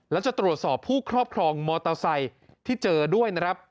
แล้วจะตรวจสอบผู้ครอบครองมอเตอร์ไซค์ที่เจอด้วยนะครับ